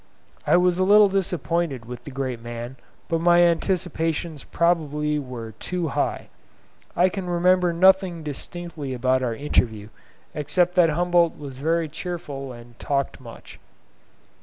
I was a little disappointed with the great man, but my anticipations probably were too high. I can remember nothing distinctly about our interview, except that Humboldt was very cheerful and talked much.